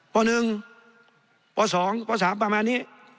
ปลอหนึ่งปลอสองปลอสามประมาณนี้